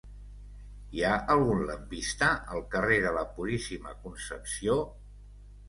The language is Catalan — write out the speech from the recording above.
Hi ha algun lampista al carrer de la Puríssima Concepció?